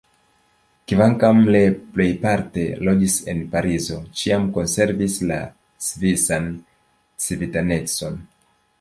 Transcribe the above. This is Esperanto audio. Kvankam le plejparte loĝis en Parizo, ĉiam konservis la svisan civitanecon.